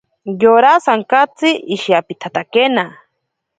Yora sankatsi ishiyapitsatakena.